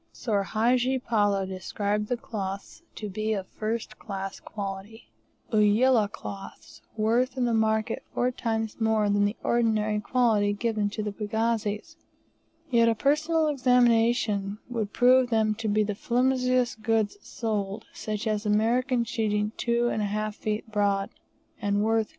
Soor Hadji Palloo described the cloths to be of first class quality, Ulyah cloths, worth in the market four times more than the ordinary quality given to the pagazis, yet a personal examination would prove them to be the flimsiest goods sold, such as American sheeting 2 1/2 feet broad, and worth $2.